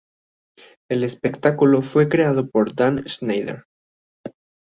El espectáculo fue creado por Dan Schneider.